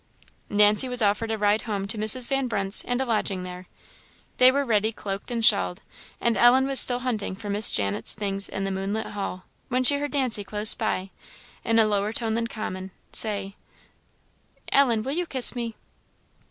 Nancy was offered a ride home to Mrs. Van Brunt's, and a lodging there. They were ready cloaked and shawled, and Ellen was still hunting for Miss Janet's things in the moonlit hall, when she heard Nancy close by, in a lower tone than common, say "Ellen, will you kiss me?"